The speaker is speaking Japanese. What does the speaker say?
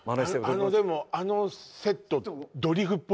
あのでもあのセット